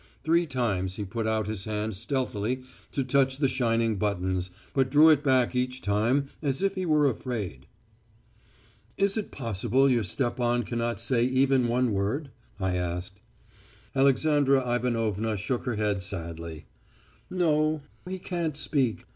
Three times he put out his hand stealthily to touch the shining buttons, but drew it back each time as if he were afraid. "'Is it possible your Stepan cannot say even one word?' I asked. "Alexandra Ivanovna shook her head sadly. "'No, he can't speak.